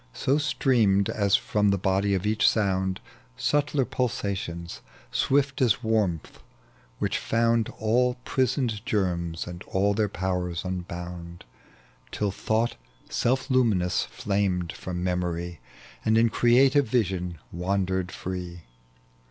So streamed as ftom the body of each sound Subtler pulsations, swift as warmth, which found All prisoned germs and all their powers unbound, TUl thought self luminous flamed from memory, And in creative vision wandered free.